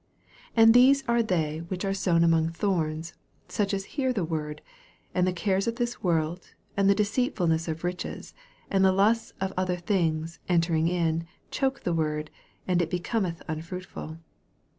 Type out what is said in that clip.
18 And these are they which are sown among thorns ; such as hear the word, 19 And the cares of this world, and the deceitfulness of riches, and the lusts of other things entering in, choke the word, and it becomcth un fruitful.